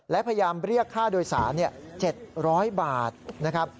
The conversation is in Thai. และพยายามเรียกค่าโดยสาร๗๐๐บาทนะครับ